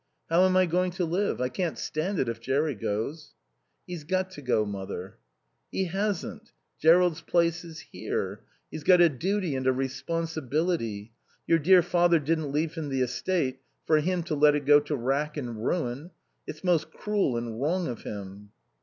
How am I going to live? I can't stand it if Jerry goes." "He's got to go, Mother." "He hasn't. Jerrold's place is here. He's got a duty and a responsibility. Your dear father didn't leave him the estate for him to let it go to wrack and ruin. It's most cruel and wrong of him."